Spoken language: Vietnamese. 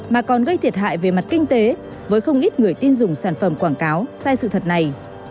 mà còn gây thiệt hại về mặt kinh tế với không ít người tin dùng sản phẩm quảng cáo sai sự thật này